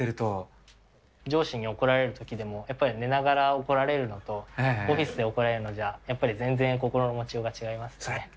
上司に怒られるときでも、やっぱり寝ながら怒られるのと、オフィスで怒られるのじゃ、やっぱり全然心の持ちようが違いますね。